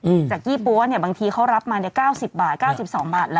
จากยี่ปั๊วเนี่ยบางทีเขารับมาเนี้ยเก้าสิบบาทเก้าสิบสองบาทแล้ว